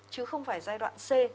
chứ không phải giai đoạn c